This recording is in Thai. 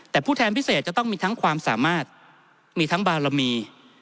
แต่ผู้แทนพิเศษจะต้องมีทั้งความสามารถมีทั้งบารมี